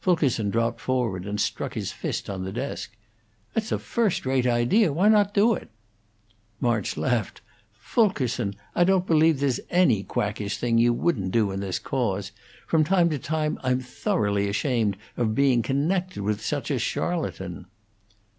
Fulkerson dropped forward and struck his fist on the desk. "It's a first rate idea. Why not do it?" March laughed. "Fulkerson, I don't believe there's any quackish thing you wouldn't do in this cause. From time to time I'm thoroughly ashamed of being connected with such a charlatan."